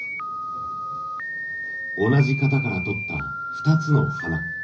同じ型からとった２つの花。